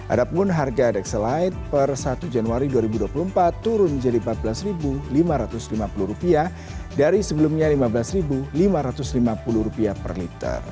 ada pun harga dexelight per satu januari dua ribu dua puluh empat turun menjadi rp empat belas lima ratus lima puluh dari sebelumnya rp lima belas lima ratus lima puluh per liter